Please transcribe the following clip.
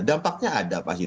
dampaknya ada pasti